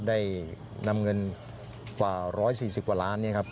ได้นำเงินกว่า๑๔๐กว่าล้านบาท